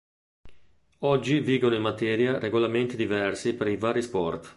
Oggi vigono in materia regolamenti diversi per i vari sport.